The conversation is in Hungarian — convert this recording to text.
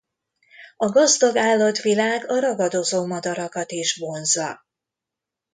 A gazdag állatvilág a ragadozó madarakat is vonzza.